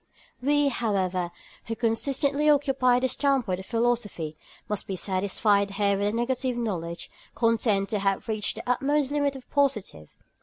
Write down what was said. We, however, who consistently occupy the standpoint of philosophy, must be satisfied here with negative knowledge, content to have reached the utmost limit of the positive.